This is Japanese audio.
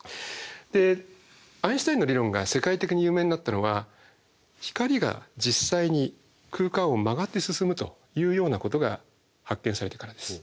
アインシュタインの理論が世界的に有名になったのは光が実際に空間を曲がって進むというようなことが発見されてからです。